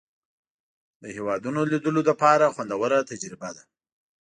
د هېوادونو لیدلو لپاره خوندوره تجربه ده.